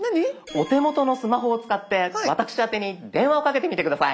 お手元のスマホを使って私あてに電話をかけてみて下さい。